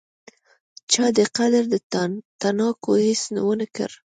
چا دې قدر د تڼاکو هیڅ ونکړ